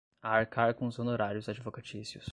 a arcar com os honorários advocatícios